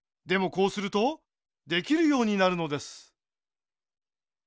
こうするとできるようになるのです。